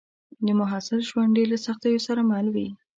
د محصل ژوند ډېر له سختیو سره مل وي